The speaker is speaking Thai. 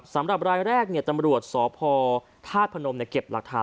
สำหรับรายแรกตำรวจสพธาตุพนมเก็บหลักฐาน